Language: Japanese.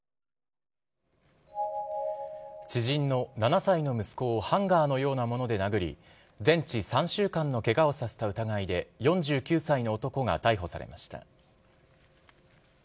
知人の７歳の息子をハンガーのようなもので殴り、全治３週間のけがをさせた疑いで、４９歳の男が逮捕されました。